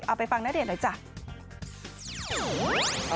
ไปฟังณเดชน์หน่อยจ้ะ